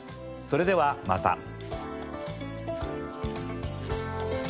それではまた。